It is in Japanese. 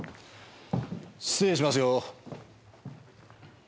失礼しますよ。